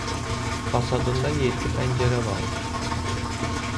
Fasadında yeddi pəncərə vardır.